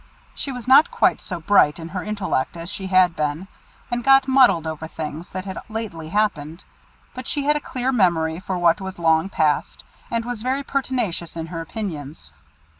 She was not quite so bright in her intellect as she had been, and got muddled over things that had lately happened; but she had a clear memory for what was long past, and was very pertinacious in her opinions.